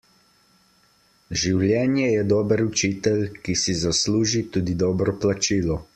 Življenje je dober učitelj, ki si zasluži tudi dobro plačilo.